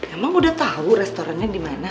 emang udah tau restorannya dimana